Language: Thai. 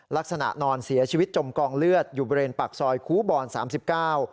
นอนเสียชีวิตจมกองเลือดอยู่บริเวณปากซอยคูบอนสามสิบเก้า